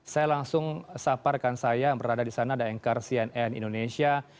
saya langsung saparkan saya yang berada di sana daengkar cnn indonesia